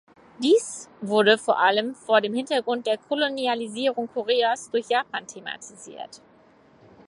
Dies wurde vor allem vor dem Hintergrund der Kolonialisierung Koreas durch Japan thematisiert.